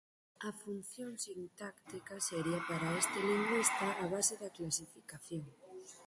A función sintáctica sería para este lingüista a base da clasificación.